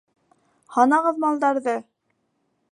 — Һанағыҙ малдарҙы!